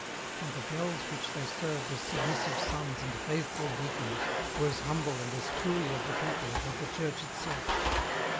And the bells which they served as submissive sons and faithful deacons were as humble and as truly of the people as was the Church itself.